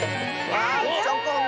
あっチョコンだ！